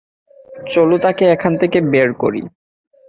চলো তাকে এখান থেকে বের করি।